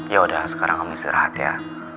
ya udah sekarang kamu harus istirahat ya